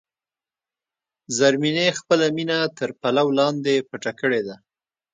زرمینې خپله مینه تر پلو لاندې پټه کړې ده.